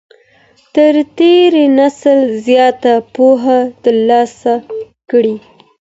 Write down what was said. تر تېر نسل زياته پوهه ترلاسه کړئ.